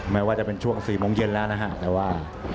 แม้ว่าจะเป็นช่วง๔โมงเย็นแล้วนะฮะแต่ว่า